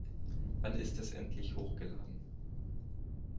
Wann ist es endlich hochgeladen?